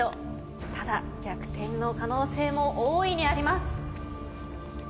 ただ逆転の可能性も大いにあります。